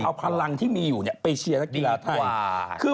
เอาพลังที่มีอยู่ไปเชียร์นักกีฬาไทย